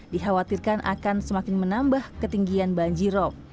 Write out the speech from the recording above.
dikhawatirkan akan semakin menambah ketinggian banjir rop